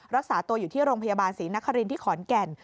รักษาตัวอยู่ที่โรงพยาบาลศรีนครินที่ขอนแก่น